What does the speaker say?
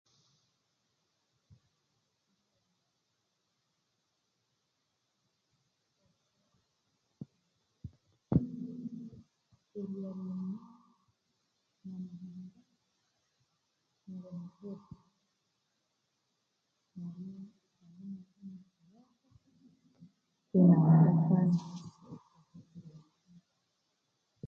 Not Heard